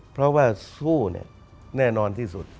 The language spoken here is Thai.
เพราะว่าสู้แน่นอนที่สุด